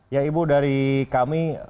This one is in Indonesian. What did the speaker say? ya ibu dari kami